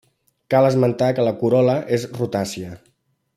Cal esmentar que la corol·la és rotàcia.